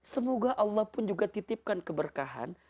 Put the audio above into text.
semoga allah pun juga titipkan keberkahan